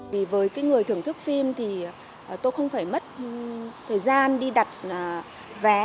với người thưởng thức phim tôi không phải mất thời gian đi đặt vé